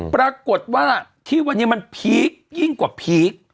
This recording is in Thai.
ปรากฏว่าที่วันนี้มันพีคยิ่งกว่าพีค